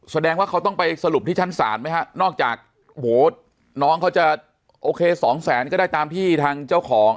แสดงว่าเขาต้องไปสรุปที่ชั้นศาลไหมฮะนอกจากโอ้โหน้องเขาจะโอเคสองแสนก็ได้ตามที่ทางเจ้าของ